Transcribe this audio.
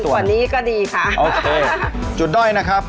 สวัสดีครับ